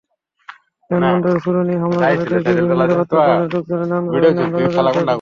বিমানবন্দরে ছুরি নিয়ে হামলাবিমানবন্দরে বিভিন্ন নিরাপত্তা বাহিনীর লোকজনের নানা ধরনের নজরদারি থাকে।